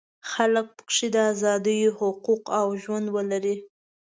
خلک په کې د ازادیو حقوق او ژوند ولري.